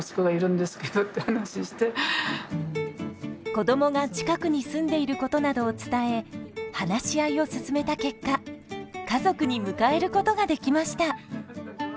子供が近くに住んでいることなどを伝え話し合いを進めた結果家族に迎えることができました。